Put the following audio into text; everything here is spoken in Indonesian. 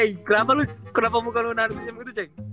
eh kenapa lu kenapa muka lu nangis nangis gitu cek